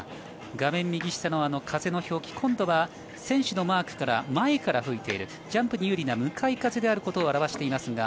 画面右下の風の表記、今度は選手のマークから前から吹いているジャンプに有利な向かい風であることを表しています。